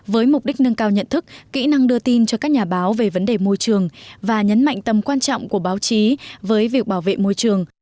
với mục đích nâng cao nhận thức kỹ năng đưa tin cho các nhà báo về vấn đề môi trường và nhấn mạnh tầm quan trọng của báo chí với việc bảo vệ môi trường